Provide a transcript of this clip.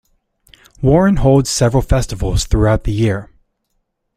Warren holds several festivals throughout the year.